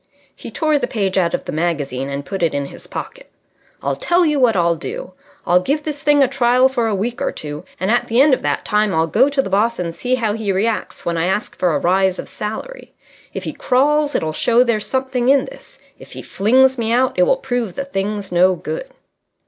He tore the page out of the magazine and put it in his pocket. "I'll tell you what I'll do. I'll give this thing a trial for a week or two, and at the end of that time I'll go to the boss and see how he reacts when I ask for a rise of salary. If he crawls, it'll show there's something in this. If he flings me out, it will prove the thing's no good."